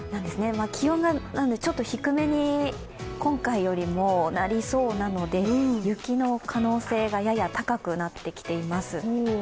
ですので、気温がちょっと低めに今回よりもなりそうなので、雪の可能性がやや高くなってきています。